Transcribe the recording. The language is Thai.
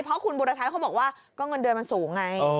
เพราะคุณบุรทัศน์เขาบอกว่าก็เงินเดือนมันสูงไง